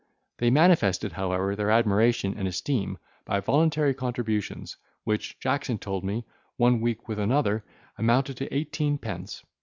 They manifested, however, their admiration and esteem by voluntary contributions, which Jackson told me, one week with another, amounted to eighteen pence.